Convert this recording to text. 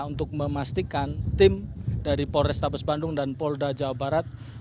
untuk memastikan tim dari polrestabes bandung dan polda jawa barat